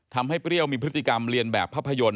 เปรี้ยวมีพฤติกรรมเรียนแบบภาพยนตร์